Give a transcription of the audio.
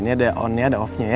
ini ada on nya ada off nya ya